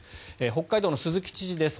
北海道の鈴木知事です。